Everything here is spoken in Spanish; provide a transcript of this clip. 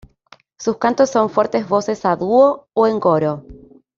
Sus cantos son fuertes voces a dúo o en coro.